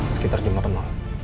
sekitar jam delapan malam